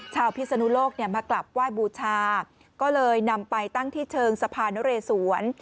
ชาวพิสนุโลกมากลับว่ายบูชาก็เลยนำไปตั้งที่เชิงสะพานเรศวร